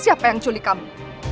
siapa yang culik kamu